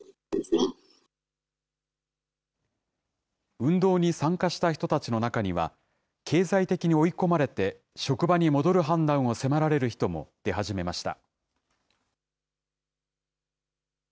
運動に参加した人たちの中には、経済的に追い込まれて、職場に戻る判断を迫られる人も出始めました。